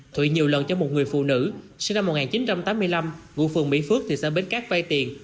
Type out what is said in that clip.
thụy nhiều lần cho một người phụ nữ sinh năm một nghìn chín trăm tám mươi năm ngụ phường mỹ phước thị xã bến cát vay tiền